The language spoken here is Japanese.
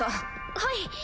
はい。